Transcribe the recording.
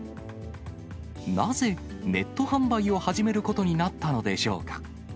なぜネット販売を始めることになったのでしょうか。